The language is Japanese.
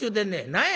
何や？」。